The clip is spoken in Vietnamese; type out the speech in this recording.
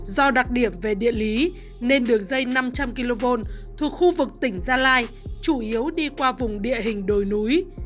do đặc điểm về địa lý nên đường dây năm trăm linh kv thuộc khu vực tỉnh gia lai chủ yếu đi qua vùng địa hình đồi núi